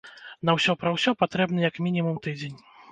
На ўсё пра ўсё патрэбны як мінімум тыдзень.